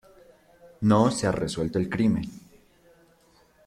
No se ha resuelto el crimen.